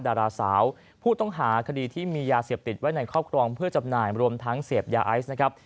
ดาราสาวผู้ต้องหาคดีที่มียาเสพติดไว้ในครอบครองเพื่อจำหน่ายรวมทั้งเสพยาไอซ์นะครับ